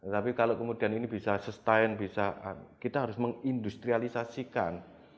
tapi kalau kemudian ini bisa sustain bisa kita harus mengindustrialisasikan